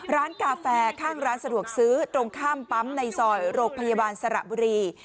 กาแฟข้างร้านสะดวกซื้อตรงข้ามปั๊มในซอยโรงพยาบาลสระบุรี